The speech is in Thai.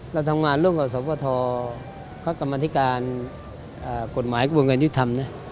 เราทำงานเรื่องกับสวทธอธิการกฎหมายกับวงการยุทธธรรมเนี่ย